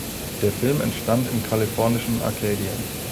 Der Film entstand im kalifornischen Arcadia.